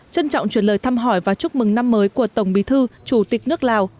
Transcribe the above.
trân trọng chuyển lời thăm hỏi và chúc mừng năm mới của tổng bí thư chủ tịch nước lào